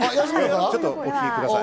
ちょっとお聞きください。